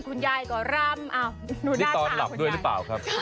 คุณยายก็ร่ำตอนหลับด้วยหรือเปล่าครับ